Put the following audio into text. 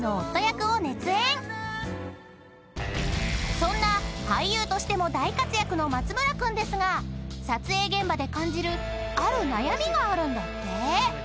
［そんな俳優としても大活躍の松村君ですが撮影現場で感じるある悩みがあるんだって］